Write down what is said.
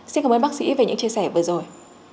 xin cảm ơn bác sĩ về những chia sẻ vừa rồi